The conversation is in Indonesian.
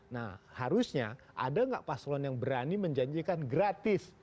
nah harusnya ada nggak paslon yang berani menjanjikan gratis